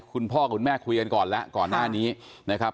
คุณพ่อคุณแม่คุยกันก่อนแล้วก่อนหน้านี้นะครับ